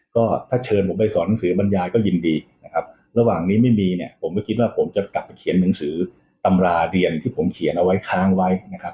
ก็ถ้าเชิญผมไปสอนหนังสือบรรยายก็ยินดีนะครับระหว่างนี้ไม่มีเนี่ยผมไม่คิดว่าผมจะกลับไปเขียนหนังสือตำราเรียนที่ผมเขียนเอาไว้ค้างไว้นะครับ